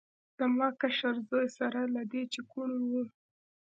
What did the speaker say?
زما کشر زوی سره له دې چې کوڼ و.